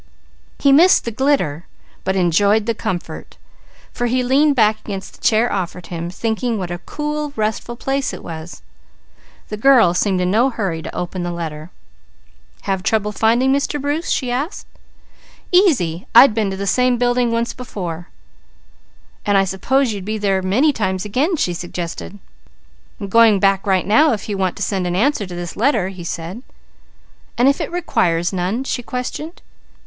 He missed the glitter, but enjoyed the comfort, for he leaned back against the chair offered him, thinking what a cool, restful place it was. The girl seemed in no hurry to open the letter. "Have trouble finding Mr. Bruce?" she asked. "Easy! I'd been to the same building before." "And I suppose you'll be there many times again," she suggested. "I'm going back right now, if you want to send an answer to that letter," he said. "And if it requires none?" she questioned.